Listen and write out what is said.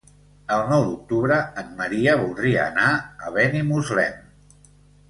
El nou d'octubre en Maria voldria anar a Benimuslem.